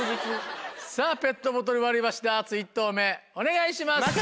さぁペットボトル割り箸ダーツ１投目お願いします。